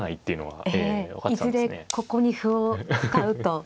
いずれここに歩を使うと。